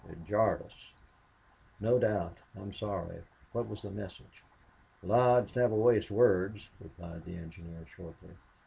It jarred us." "No doubt. I'm sorry. What was the message?" "Lodge never wastes words," replied the engineer, shortly.